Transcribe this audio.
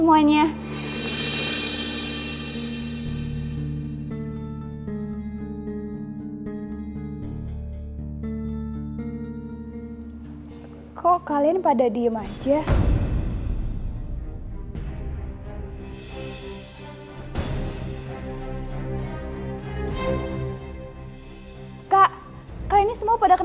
namanya tuhan yang mampir nung attain diri bout aku